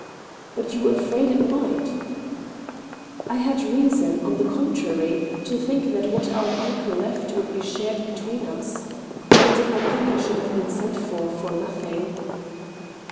" Biit you were afraid it might ?"" I had reason, on the contrary, to think that what our uncle left would be shared between us. I did not think I should have been sent for for nothing."